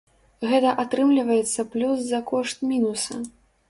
Гэта атрымліваецца плюс за кошт мінуса!